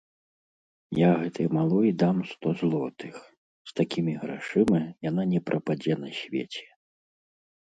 Я гэтай малой дам сто злотых, з такімі грашыма яна не прападзе на свеце.